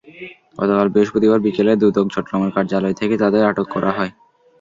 গতকাল বৃহস্পতিবার বিকেলে দুদক চট্টগ্রামের কার্যালয় থেকে তাঁদের আটক করা হয়।